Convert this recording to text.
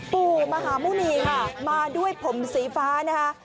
ปู่มหาหมุณีค่ะมาด้วยผมสีฟ้านะคะ